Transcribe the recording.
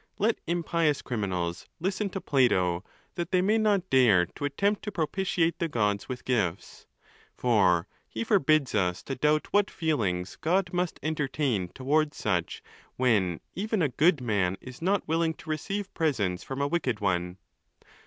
rae Let impious criminals listen to Plato, that they may not dare to attempt to propitiate the Gods with gifts ; for he for bids us to doubt what feelings God must entertain towards such when even a good man is not willing to receive presents; from a wicked one.